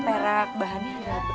bahannya agak berbeda